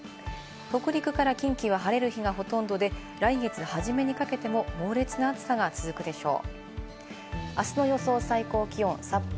北陸から近畿は晴れる日がほとんどで、来月はじめにかけても猛烈な暑さが続くでしょう。